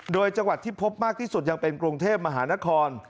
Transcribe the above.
โดยจังหวัดที่พบมากที่สุดยังเป็นกรุงเทพมหานคร